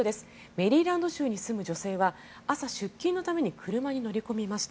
メリーランド州に住む女性は朝、出勤のために車に乗り込みました。